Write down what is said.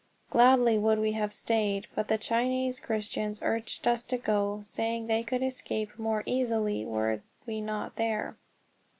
Gladly would we have stayed, but the Chinese Christians urged us to go, saying they could escape more easily were we not there.